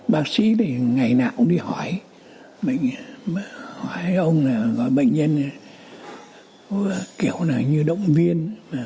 bác sĩ thì ngày nào cũng đi hỏi hỏi ông là gọi bệnh nhân kiểu nào như động viên